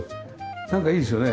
なんかいいですよね。